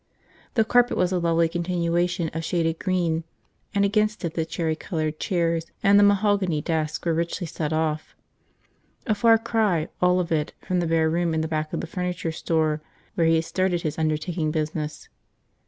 The carpet was a lovely continuation of shaded green, and against it the cherry colored chairs and the mahogany desk were richly set off. A far cry, all of it, from the bare room in the back of the furniture store where he had started his undertaking business.